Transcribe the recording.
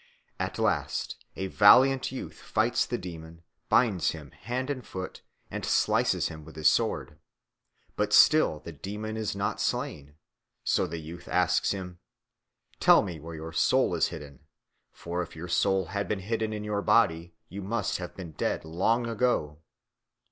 At last a valiant youth fights the demon, binds him hand and foot, and slices him with his sword. But still the demon is not slain. So the youth asked him, "Tell me, where is your soul hidden? For if your soul had been hidden in your body, you must have been dead long ago."